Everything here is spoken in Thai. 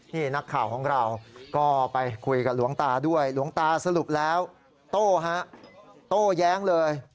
นี่นักข่าวของเราก็ไปคุยกับหลวงตาด้วยหลวงตาสรุปแล้วโต้ฮะโต้แย้งเลย